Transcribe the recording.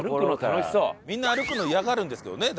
みんな歩くの嫌がるんですけどね